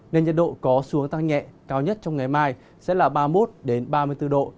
nên nhiệt độ có xuống tăng nhẹ cao nhất trong ngày mai sẽ là ba mươi một ba mươi bốn độ